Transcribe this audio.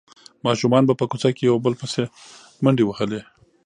ماشومانو به په کوڅه کې یو بل پسې منډې وهلې.